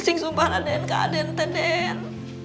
sengsumpah aden ke aden den